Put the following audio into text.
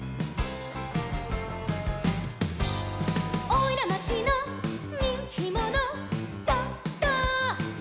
「おいらまちのにんきもの」「ドド」